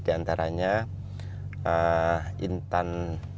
di antaranya intan